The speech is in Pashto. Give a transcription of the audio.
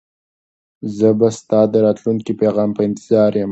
زه به ستا د راتلونکي پیغام په انتظار یم.